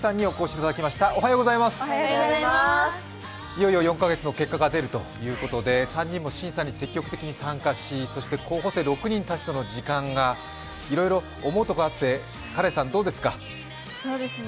いよいよ４か月の結果が出るということで、３人も審査に積極的に参加し候補生６人たちとの時間がいろいろ思うところあって、かれんさん、どうですか？